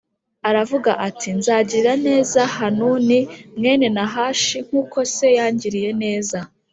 aravuga ati “Nzagirira neza Hanuni mwene Nahashi, nk’uko se yangiriye neza.”